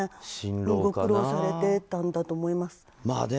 ご苦労されてたんだと思います。